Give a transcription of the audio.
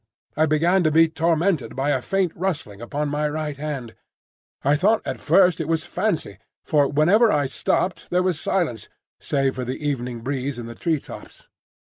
I began to be tormented by a faint rustling upon my right hand. I thought at first it was fancy, for whenever I stopped there was silence, save for the evening breeze in the tree tops.